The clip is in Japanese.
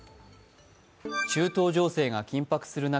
中東情勢が緊迫する中